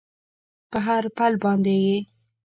په هر پل باندې یې